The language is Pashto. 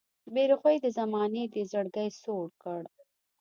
بې رخۍ د زمانې دې زړګی سوړ کړ